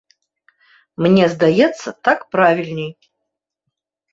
Мне здаецца, так правільней.